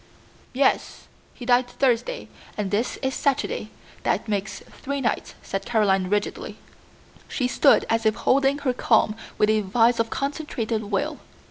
"Yes; he died Thursday and this is Saturday; that makes three nights," said Caroline rigidly. She stood as if holding her calm with a vise of concentrated will.